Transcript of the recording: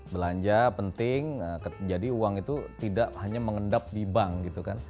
belanja penting jadi uang itu tidak hanya mengendap di bank gitu kan